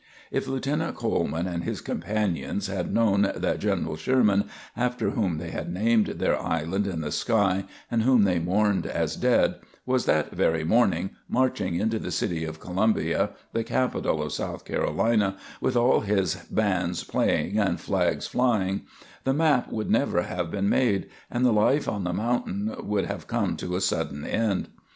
If Lieutenant Coleman and his companions had known that General Sherman, after whom they had named their island in the sky and whom they mourned as dead, was that very morning marching into the city of Columbia, the capital of South Carolina, with all his bands playing and flags flying, the map would never have been made, and the life on the mountain would have come to a sudden end.